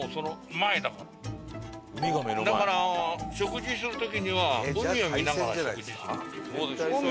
だから食事する時には海を見ながら食事ができる。